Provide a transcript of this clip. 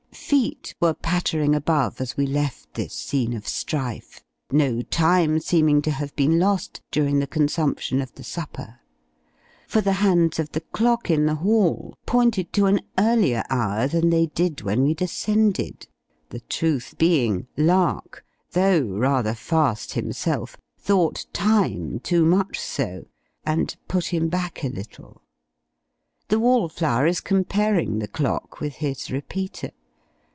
Feet were pattering above as we left this scene of strife no time seeming to have been lost during the consumption of the supper; for the hands of the clock, in the hall, pointed to an earlier hour than they did when we descended: the truth being, Lark, though rather fast himself, thought Time too much so, and put him back a little. The Wall flower is comparing the clock with his repeater.